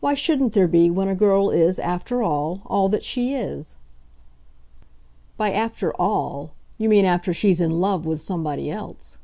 Why shouldn't there be when a girl is, after all, all that she is?" "By after 'all' you mean after she's in love with somebody else?"